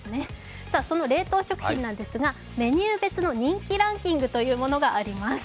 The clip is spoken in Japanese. その冷凍食品なんですが、メニュー別の人気ランキングというものがあります。